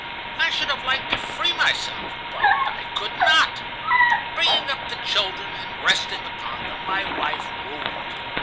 I should have liked to free myself, but I could not. Bringing up the children, and resting upon them, my wife ruled.